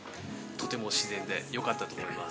◆とても自然でよかったと思います。